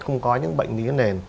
không có những bệnh như thế này